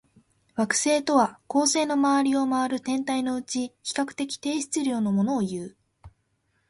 惑星とは、恒星の周りを回る天体のうち、比較的低質量のものをいう。